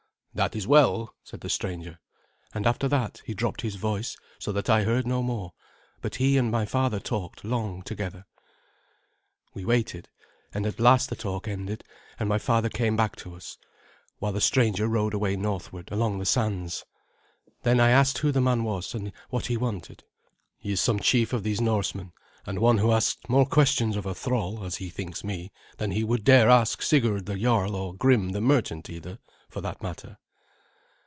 "That is well," said the stranger; and after that he dropped his voice so that I heard no more, but he and my father talked long together. We waited, and at last the talk ended, and my father came hack to us, while the stranger rode away northward along the sands. Then I asked who the man was, and what he wanted. "He is some chief of these Norsemen, and one who asks more questions of a thrall, as he thinks me, than he would dare ask Sigurd the jarl, or Grim the merchant either, for that matter."